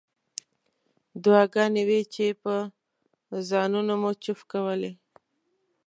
دعاګانې وې چې په ځانونو مو چوف کولې.